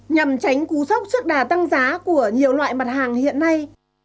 nhằm tránh cú sốc trước đà tăng giá của nhiều loại mặt hàng hiện nay